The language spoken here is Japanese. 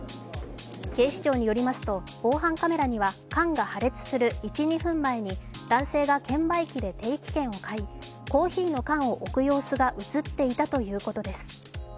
警視庁によりますと防犯カメラには缶が破裂する１２分前に男性が券売機で定期券を買いコーヒーの缶を置く様子が映っていたということです。